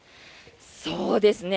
そうですね。